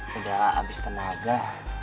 sudah abis tenaga